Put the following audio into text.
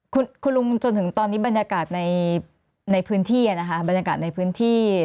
คุณคุณลุงจนถึงตอนนี้บรรยากาศในพื้นที่อ่ะนะคะบรรยากาศในพื้นที่